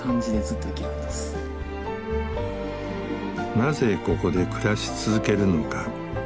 なぜここで暮らし続けるのか。